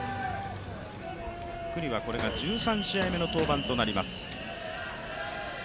九里はこれが１３試合目の登板となります。